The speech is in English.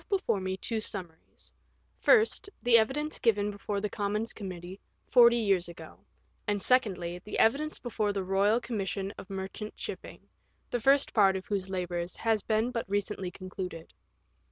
before me two summaries : First, the evidence given before the Commons* Committee forty years ago ; and, secondly, the evidence before the Eoyal Commission of Merchant Shipping, the first part of whose labours has been but recently concluded.